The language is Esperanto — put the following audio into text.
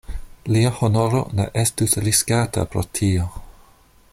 Lia honoro ne estus riskata pro tio.